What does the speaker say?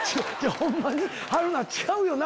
ホンマに春菜ちゃうよな？